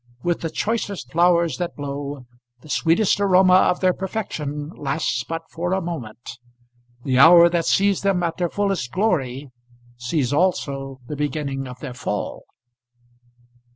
With the choicest flowers that blow the sweetest aroma of their perfection lasts but for a moment. The hour that sees them at their fullest glory sees also the beginning of their fall.